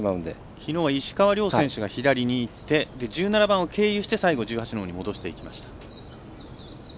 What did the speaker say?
きのうは石川遼選手が左にいって１７番を経由して最後は戻していきました。